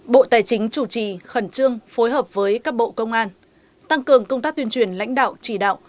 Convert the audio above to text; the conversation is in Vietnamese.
bộ tài chính chủ trì khẩn trương phối hợp với các bộ công an tăng cường công tác tuyên truyền lãnh đạo chỉ đạo